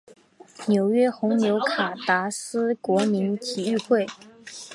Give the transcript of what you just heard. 纽约红牛卡达斯国民体育会